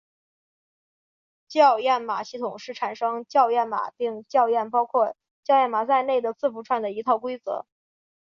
校验码系统是产生校验码并校验包括校验码在内的字符串的一套规则。